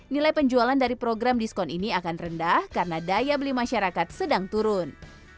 nilai penjualan dari program diskon ini akan rendah karena daya beli masyarakat sedang turun